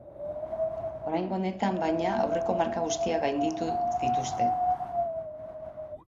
Oraingo honetan, baina, aurreko marka guztiak gainditu dituzte.